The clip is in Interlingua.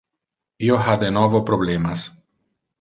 Io ha de novo problemas.